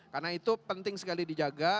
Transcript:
karena itu penting sekali dijaga